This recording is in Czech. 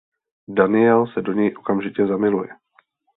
Daniel se do něj okamžitě zamiluje.